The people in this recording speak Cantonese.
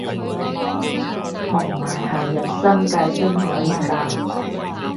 同埋係入新界先可以搭